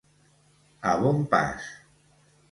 A bon pas.